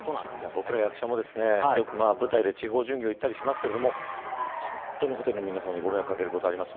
僕ら役者も舞台で地方巡業に行ったりしますが本当にホテルの皆さんにご迷惑をかけることがあります。